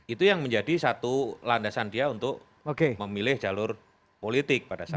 itu yang menjadi satu landasan dia untuk memilih jalur politik pada saat itu